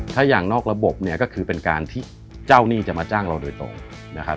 ถ้าอย่างนอกระบบเนี่ยก็คือเป็นการที่เจ้าหนี้จะมาจ้างเราโดยตรงนะครับ